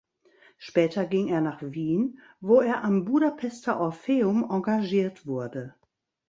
Später ging er nach Wien, wo er am Budapester Orpheum engagiert wurde.